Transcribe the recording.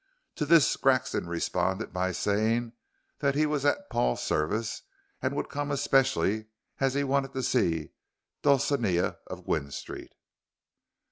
To this Grexon responded by saying that he was at Paul's service and would come especially as he wanted to see Dulcinea of Gwynne Street.